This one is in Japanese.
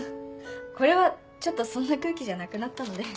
これはちょっとそんな空気じゃなくなったので。